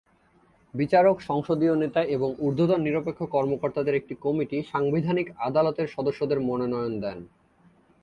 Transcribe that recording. বিচারক, সংসদীয় নেতা এবং ঊর্ধ্বতন নিরপেক্ষ কর্মকর্তাদের একটি কমিটি সাংবিধানিক আদালতের সদস্যদের মনোনয়ন দেন।